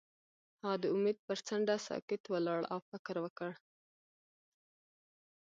هغه د امید پر څنډه ساکت ولاړ او فکر وکړ.